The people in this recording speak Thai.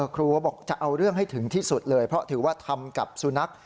เขาบอกจะเอาเรื่องให้ถึงที่สุดเลยเพราะถือว่าทำกับสุนัข